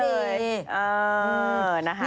เออนะคะ